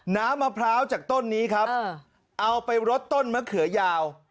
น้ำมะพร้าวจากต้นนี้ครับเอาไปรดต้นมะเขือยาว